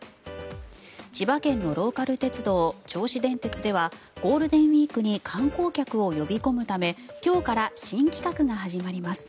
千葉県のローカル鉄道銚子電鉄ではゴールデンウィークに観光客を呼び込むため今日から新企画が始まります。